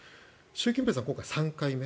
習近平さんは今回、３回目。